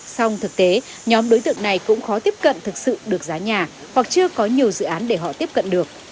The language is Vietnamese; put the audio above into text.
song thực tế nhóm đối tượng này cũng khó tiếp cận thực sự được giá nhà hoặc chưa có nhiều dự án để họ tiếp cận được